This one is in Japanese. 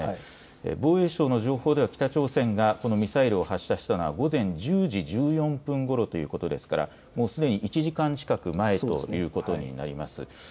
防衛省の情報では北朝鮮がミサイルを発射したのは午前１０時１４分ごろということですから、もうすでに１時間近く前ということになります。